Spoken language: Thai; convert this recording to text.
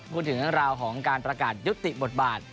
พูดถึงราวของการประกาศยุติบทบาท